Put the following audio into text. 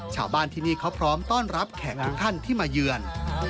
ชาวบ้านที่นี่เขาพร้อมต้อนรับแขกทุกท่านที่มาเยือน